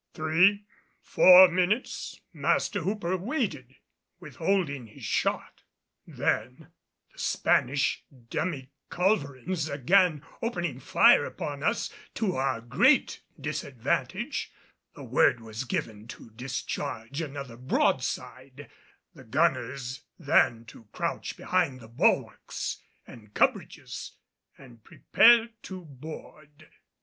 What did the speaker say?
Three, four minutes, Master Hooper waited, withholding his shot. Then, the Spanish demi culverins again opening fire upon us to our great disadvantage, the word was given to discharge another broadside, the gunners then to crouch behind the bulwarks and cubbridges and prepare to board.